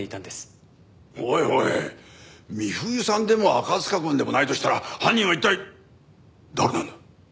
おいおい美冬さんでも赤塚くんでもないとしたら犯人は一体誰なんだ？